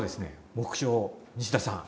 目標西田さん